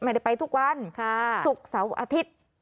ไม่ได้ไปทุกวันศุกร์เสาร์อาทิตย์